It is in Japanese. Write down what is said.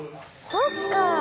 そっか。